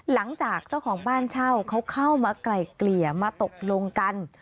หลังจากเจ้าของบ้านเช่าเขาเข้ามาไกลเกลี่ยมาตกลงกัน